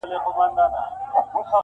چيري ترخه بمبل چيري ټوکيږي سره ګلونه.